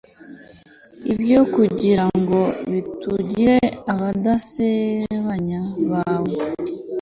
Ibyo kugirango bitugire abadasebanya bawe